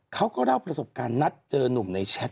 เขาก็เล่าประสบการณ์นัดเจอนุ่มในแชท